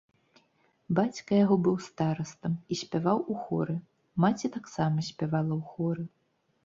Бацька яго быў старастам і спяваў у хоры, маці таксама спявала ў хоры.